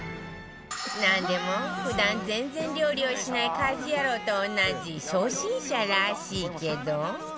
なんでも普段全然料理をしない家事ヤロウと同じ初心者らしいけど